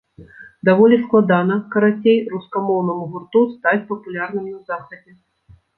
Даволі складана, карацей, рускамоўнаму гурту стаць папулярным на захадзе.